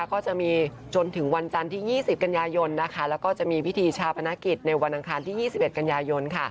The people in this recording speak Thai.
ก็จะมีจนถึงวันจันทร์ที่๒๐กันยายนแล้วก็จะมีพิธีชาปนกิจในวันอังคารที่๒๑กันยายน